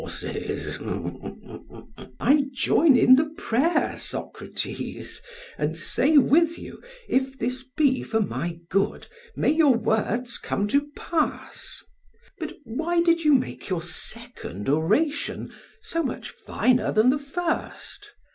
PHAEDRUS: I join in the prayer, Socrates, and say with you, if this be for my good, may your words come to pass. But why did you make your second oration so much finer than the first?